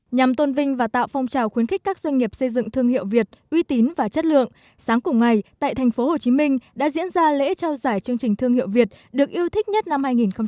nhằm tôn vinh và tạo phong trào khuyến khích các doanh nghiệp xây dựng thương hiệu việt uy tín và chất lượng sáng cùng ngày tại tp hcm đã diễn ra lễ trao giải chương trình thương hiệu việt được yêu thích nhất năm hai nghìn một mươi chín